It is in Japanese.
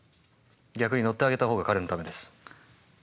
逆に乗ってあげた方が彼のためです。